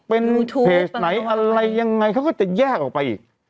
เป็นเพจไหนอะไรยังไงเขาก็จะแยกออกไปอีก